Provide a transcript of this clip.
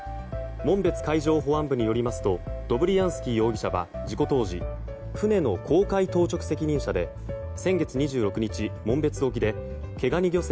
紋別海上保安部によりますとドブリアンスキー容疑者は事故当時船の航海当直責任者で先月２６日、紋別沖で毛ガニ漁船